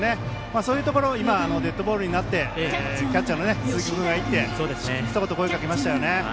そういうところ今、デッドボールになってキャッチャーの鈴木君が行ってひと言キャッチャーが声をかけましたね。